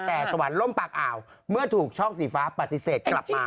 แต่สวรรค์ล่มปากอ่าวเมื่อถูกช่องสีฟ้าปฏิเสธกลับมา